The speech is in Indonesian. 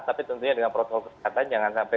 tapi tentunya dengan protokol kesehatan jangan sampai